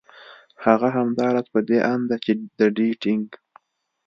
هغه همدا راز په دې اند ده چې د ډېټېنګ